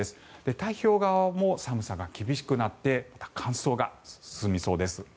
太平洋側も寒さが厳しくなって乾燥が進みそうです。